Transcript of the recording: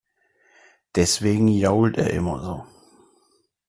Deswegen jault er immer so.